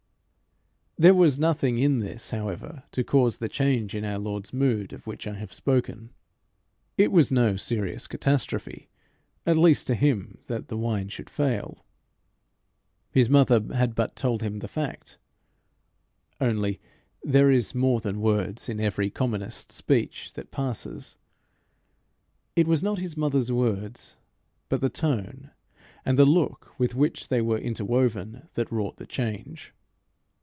There was nothing in this however to cause the change in our Lord's mood of which I have spoken. It was no serious catastrophe, at least to him, that the wine should fail. His mother had but told him the fact; only there is more than words in every commonest speech that passes. It was not his mother's words, but the tone and the look with which they were interwoven that wrought the change.